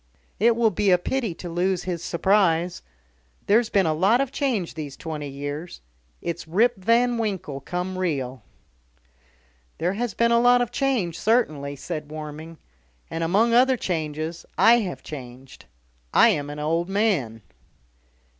"It will be a pity to lose his surprise. There's been a lot of change these twenty years. It's Rip Van Winkle come real." "There has been a lot of change certainly," said Warming. "And, among other changes, I have changed. I am an old man."